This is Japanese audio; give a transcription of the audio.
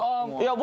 僕。